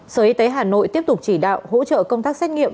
sở y tế hà nội tiếp tục chỉ đạo hỗ trợ công tác xét nghiệm